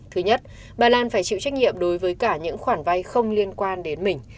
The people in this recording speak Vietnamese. thứ nhất bà lan phải chịu trách nhiệm đối với cả những khoản vay không liên quan đến mình